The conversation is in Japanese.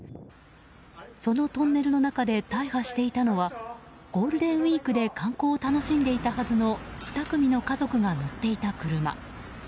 そのトンネルの中で大破していたのはゴールデンウィークで観光を楽しんでいたはずの２組の家族が乗っていた車。